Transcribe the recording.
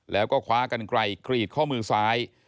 แล้วก็คว้ากันไกลกรีดข้อมือซ้าย